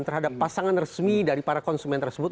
terhadap pasangan resmi dari para konsumen tersebut